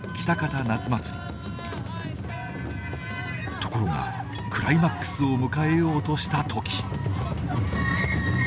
ところがクライマックスを迎えようとした時！